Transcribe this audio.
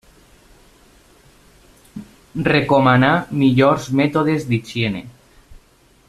Recomanà millors mètodes d'higiene.